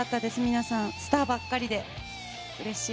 皆さんスターばっかりでうれしい。